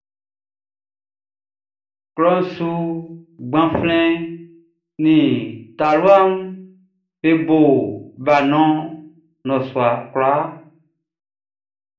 Klɔʼn su gbanflɛn nin talua mun be bo balɔn nnɔsua kwlaa.